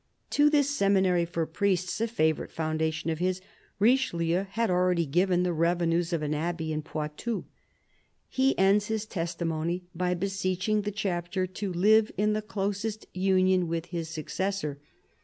..." To this seminary for priests, a favourite foundation of his, Richelieu had already given the revenues of an abbey in Poitou. He ends his testament by beseeching the Chapter to live in the closest union with his successor.